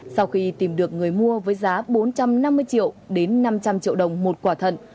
sau khi tìm được người mua với giá bốn trăm năm mươi triệu đến năm trăm linh triệu đồng một quả thận